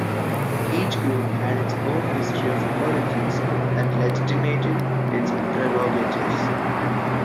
Each group had its own history of origins that legitimated its prerogatives.